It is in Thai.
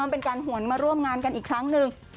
เป็นการหวนมาร่วมงานกันอีกครั้งหนึ่ง